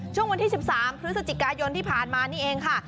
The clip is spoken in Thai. ช่วงวันที่๑๓พฤศจิกายนที่ผ่านมานี่เองค่ะ